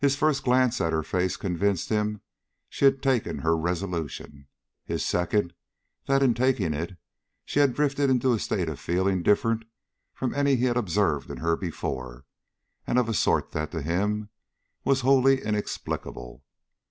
His first glance at her face convinced him she had taken her resolution. His second, that in taking it she had drifted into a state of feeling different from any he had observed in her before, and of a sort that to him was wholly inexplicable.